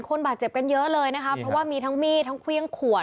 คนบาดเจ็บกันเยอะเลยนะคะเพราะว่ามีทั้งมีดทั้งเครื่องขวด